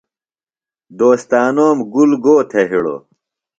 ݨ دوستانوم گُل گو تھےۡ ہِڑوۡ؟